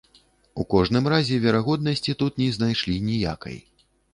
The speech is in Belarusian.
У кожным разе верагоднасці тут не знайшлі ніякай.